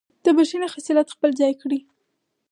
د بښنې خصلت خپل کړئ.